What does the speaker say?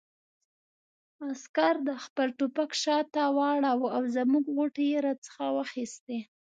عسکر خپل ټوپک شاته واړاوه او زموږ غوټې یې را څخه واخیستې.